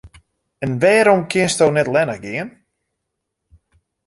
En wêrom kinsto net allinnich gean?